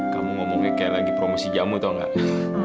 kamu ngomongnya kayak lagi promosi jamu tau gak